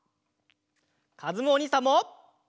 かずむおにいさんも。